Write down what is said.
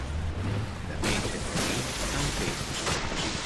De més eixerits en pengen!